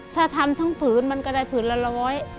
ถ้าทำทั้งผืนมันก็ได้ผืนละร้อย